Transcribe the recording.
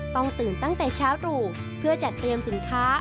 ต้องตื่นตั้งแต่เช้าหรูเพื่อจัดเตรียมสินค้า